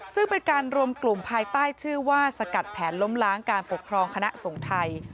ซึ่งเป็นการรวมกลุ่มภายใต้ชื่อว่าสกัดแผนล้มล้างการปกครองคณะสงฆ์ไทย